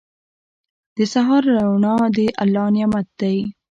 • د سهار روڼا د الله نعمت دی.